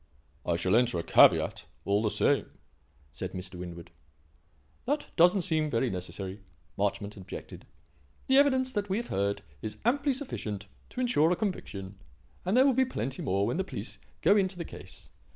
"I shall enter a caveat, all the same," said Mr. Winwood. "That doesn't seem very necessary," Marchmont objected. "The evidence that we have heard is amply sufficient to ensure a conviction and there will be plenty more when the police go into the case.